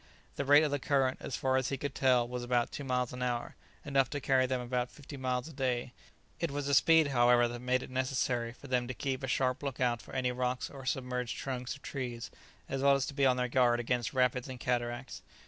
The rate of the current, as far as he could tell, was about two miles an hour, enough to carry them about fifty miles a day; it was a speed, however, that made it necessary for them to keep a sharp look out for any rocks or submerged trunks of trees, as well as to be on their guard against rapids and cataracts.